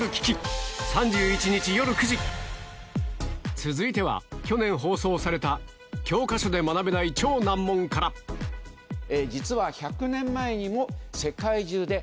続いては去年放送された『教科書で学べない超難問』から実は。